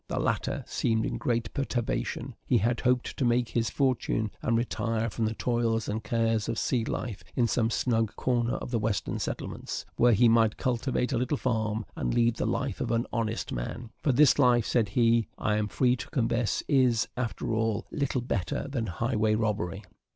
The latter seemed in great perturbation; he had hoped to make his fortune, and retire from the toils and cares of a sea life in some snug corner of the Western settlements, where he might cultivate a little farm, and lead the life of an honest man; "for this life," said he, "I am free to confess, is, after all, little better than highway robbery."